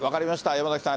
山崎さん、